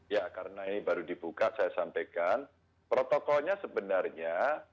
ya karena ini baru dibuka saya sampaikan protokolnya sebenarnya